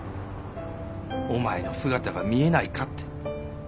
お前の姿が見えないかって。